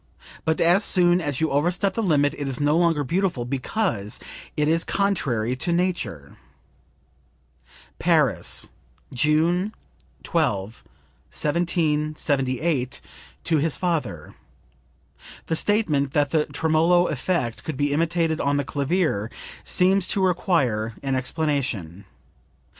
But as soon as you overstep the limit it is no longer beautiful because it is contrary to nature." (Paris, June 12, 1778, to his father. [The statement that the tremolo effect could be imitated on the clavier seems to require an explanation.